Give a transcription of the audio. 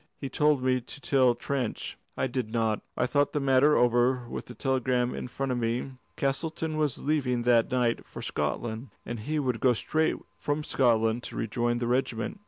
He told me to tell Trench. I did not. I thought the matter over with the telegram in front of me. Castleton was leaving that night for Scotland, and he would go straight from Scotland to rejoin the regiment.